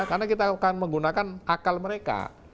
karena kita akan menggunakan akal mereka